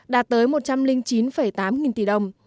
đạt tới một trăm linh chín tám nghìn tỷ đồng